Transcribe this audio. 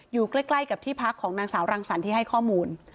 อยู่ใกล้กับที่พักของนางสาวรังสรรค์ที่ให้ข้อมูล